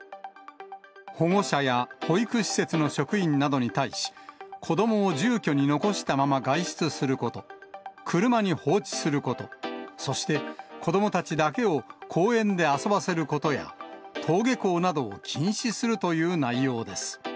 保護者や保育施設の職員などに対し、子どもを住居に残したまま外出すること、車に放置すること、そして子どもたちだけを公園で遊ばせることや、登下校などを禁止するという内容です。